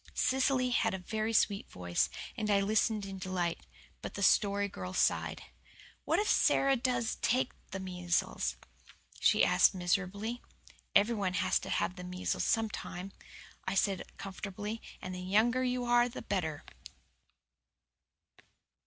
Cecily had a very sweet voice, and I listened in delight. But the Story Girl sighed. "What if Sara does take the measles?" she asked miserably. "Everyone has to have the measles sometime," I said comfortingly, "and the younger you are the better."